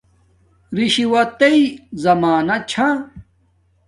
رشوتئ ذمانا چھا